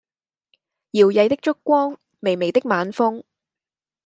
搖曳的燭光、微微的晚風